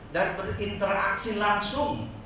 dan berinteraksi langsung